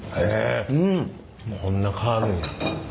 こんな変わるんや。